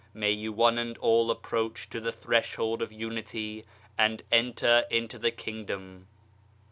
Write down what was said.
May you one and all approach to the Threshold of Unity, and enter into the Kingdom.